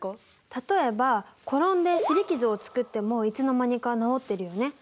例えば転んで擦り傷をつくってもいつの間にか治ってるよね。